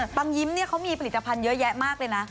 ยิ้มเขามีผลิตภัณฑ์เยอะแยะมากเลยนะ